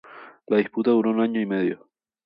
La disputa duró un año y medio.